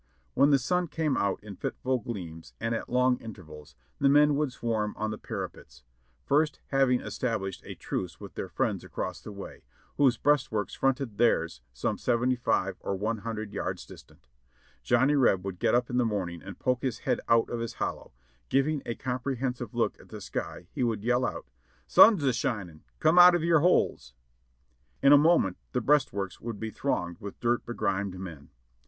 When the sun came out in fitful gleams and at long intervals, the men would swarm on the parapets, first having established a truce with their friends across the way, whose breastworks fronted theirs some 75 or 100 yards distant. Johnny Reb would get up in the morning and poke his head out of his hollow ; giving a comprehensive look at the sky he would yell out : "Sun's a shinin', come out of your holes!" In a moment the breastworks would be thronged with dirt be grimed men.